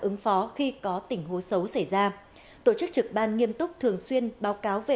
ứng phó khi có tình huống xấu xảy ra tổ chức trực ban nghiêm túc thường xuyên báo cáo về